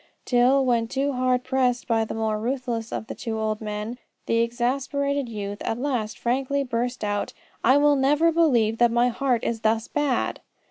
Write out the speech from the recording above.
Till, when too hard pressed by the more ruthless of the two old men, the exasperated youth at last frankly burst out: "I will never believe that my heart is thus bad!"